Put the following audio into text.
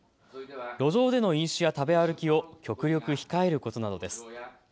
路上での飲酒や食べ歩きを極力控えることなどです。